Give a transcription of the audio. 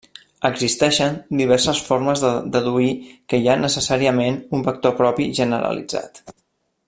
Existeixen diverses formes de deduir que hi ha necessàriament un vector propi generalitzat.